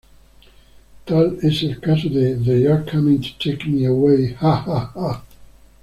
Tal es el caso de "They're Coming to Take Me Away Ha-Haaa!